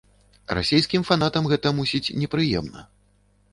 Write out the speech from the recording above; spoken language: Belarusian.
Расейскім фанатам гэта, мусіць, непрыемна.